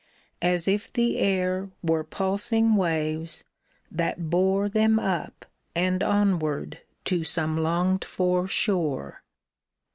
As if the air were pulsing waves that bore Them up and onward to some longed for shore